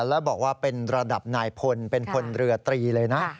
แล้วบอกว่าเป็นระดับนายพลเป็นพลเรือตรีเลยนะ